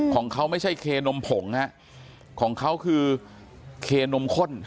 ของเขาไม่ใช่เคนมผงฮะของเขาคือเคนมข้น